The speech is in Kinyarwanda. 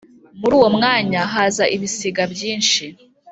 Muri uwo mwanya haza ibisiga byinshi;